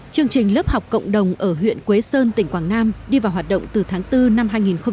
chương trình lớp học cộng đồng ở huyện quế sơn tỉnh quảng nam đi vào hoạt động từ tháng bốn năm hai nghìn một mươi chín